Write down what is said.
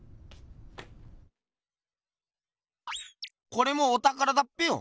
これもおたからだっぺよ。